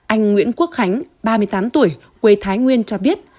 anh nguyễn quốc khánh ba mươi tám tuổi quê thái nguyên cho biết